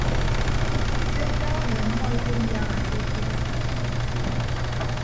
Ke ntak ami ammọ ekemiaha akepkep akai.